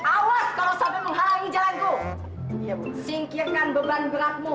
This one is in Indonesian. awas kalo sampai menghalangi jalanku